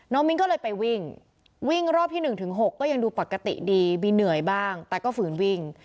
มิ้นก็เลยไปวิ่งวิ่งรอบที่๑ถึง๖ก็ยังดูปกติดีมีเหนื่อยบ้างแต่ก็ฝืนวิ่ง